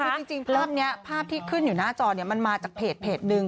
คือจริงภาพนี้ภาพที่ขึ้นอยู่หน้าจอเนี่ยมันมาจากเพจหนึ่ง